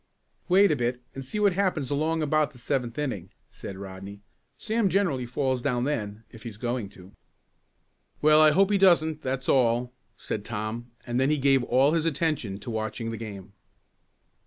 "Wait a bit and see what happens along about the seventh inning," said Rodney. "Sam generally falls down then if he's going to." "Well, I hope he doesn't, that's all," said Tom, and then he gave all his attention to watching the game.